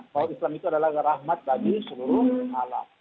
bahwa islam itu adalah rahmat bagi seluruh alam